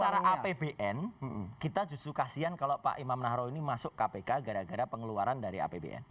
secara apbn kita justru kasian kalau pak imam nahrawi ini masuk kpk gara gara pengeluaran dari apbn